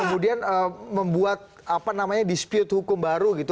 mereka kemudian membuat dispute hukum baru gitu